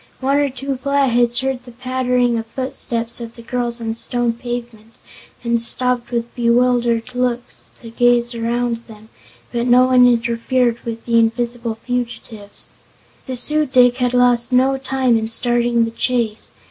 One or two Flatheads heard the pattering of footsteps of the girls on the stone pavement and stopped with bewildered looks to gaze around them, but no one interfered with the invisible fugitives. The Su dic had lost no time in starting the chase.